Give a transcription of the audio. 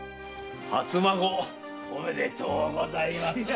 初孫おめでとうございます。